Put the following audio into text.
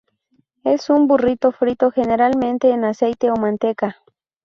Es un burrito frito generalmente en aceite o manteca.